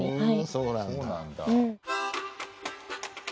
そうなんだ。